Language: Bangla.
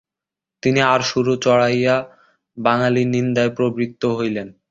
তিনি আরো সুর চড়াইয়া বাঙালির নিন্দায় প্রবৃত্ত হইলেন।